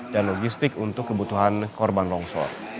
dan logistik untuk kebutuhan korban longsor